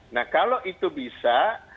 nah kalau itu bisa